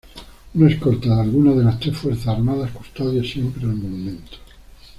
Una escolta de alguna de las tres fuerzas armadas custodia siempre al monumento.